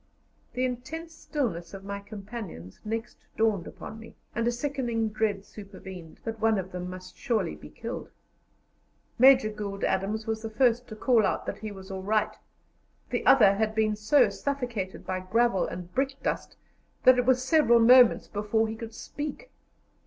The intense stillness of my companions next dawned upon me, and a sickening dread supervened, that one of them must surely be killed. Major Gould Adams was the first to call out that he was all right; the other had been so suffocated by gravel and brickdust that it was several moments before he could speak.